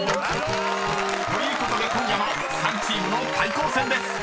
［ということで今夜は３チームの対抗戦です］